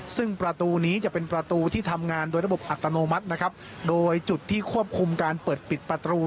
ซึ่งประตูนี้จะเป็นประตูที่ทำงานโดยระบบอัตโนมัตินะครับโดยจุดที่ควบคุมการเปิดปิดประตู